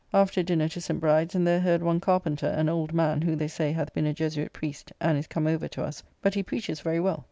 After dinner to St. Bride's, and there heard one Carpenter, an old man, who, they say, hath been a Jesuit priest, and is come over to us; but he preaches very well.